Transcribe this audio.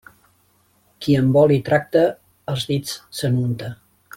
Qui amb oli tracta, els dits se n'unta.